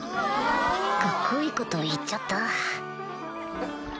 カッコいいこと言っちゃった